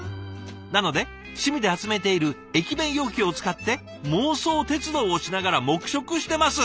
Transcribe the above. なので趣味で集めている駅弁容器を使って妄想鉄道をしながら黙食してます」。